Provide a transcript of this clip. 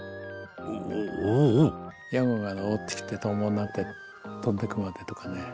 ヤゴが上ってきてトンボになって飛んでくまでとかね。